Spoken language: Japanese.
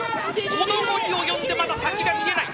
この期に及んでまだ先が見えない。